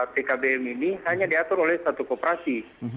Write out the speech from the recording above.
tkbm ini hanya diatur oleh satu koperasi